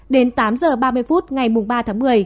đến tám giờ ba mươi phút ngày mùng ba tháng một mươi